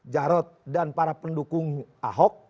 jarod dan para pendukung ahok